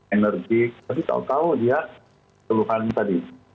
enerjik tapi tahu tahu dia telukannya tadi